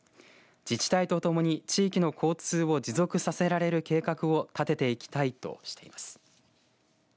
自治体とともに地域の交通を持続させられる計画を立てていきたいとしています。